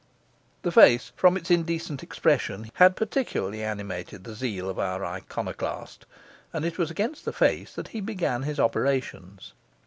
The face, from its indecent expression, had particularly animated the zeal of our iconoclast; and it was against the face that he began his operations.